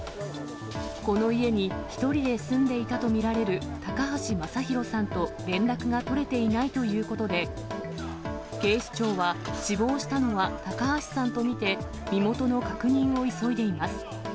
この家に１人で住んでいたと見られる高橋昌宏さんと連絡が取れていないということで、警視庁は、死亡したのは高橋さんと見て、身元の確認を急いでいます。